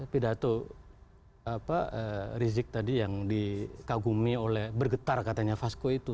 pidato rizik tadi yang dikagumi oleh bergetar katanya fasko itu